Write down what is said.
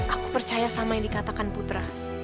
aku percaya sama yang dikatakan putra